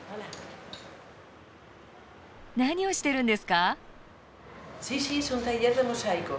何をしてるんですか？